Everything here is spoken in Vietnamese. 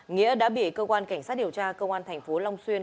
nghĩa đã bị cơ quan cảnh sát điều tra công an thành phố long xuyên